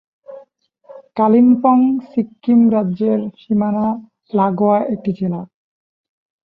কালিম্পং সিক্কিম রাজ্যের সীমানা লাগোয়া একটি জেলা।